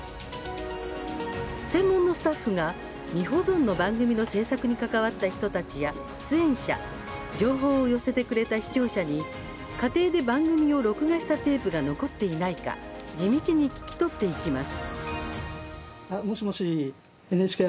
専門のスタッフが未保存の番組の制作に関わった人たちや出演者情報を寄せてくれた視聴者に家庭で番組を録画したテープが残っていないか地道に聞き取っていきます。